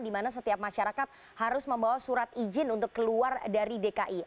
di mana setiap masyarakat harus membawa surat izin untuk keluar dari dki